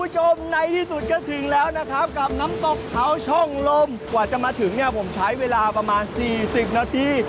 คุณผู้ชมในที่สุดก็ถึงแล้วนะครับกับน้ำตกเขาช่องลมกว่าจะมาถึงเนี่ยผมใช้เวลาประมาณ๔๐นาที